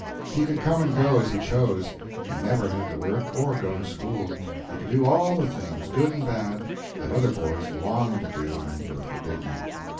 He could come and go as he chose; he never had to work or go to school; he could do all the things, good and bad, that other boys longed to do and were forbidden.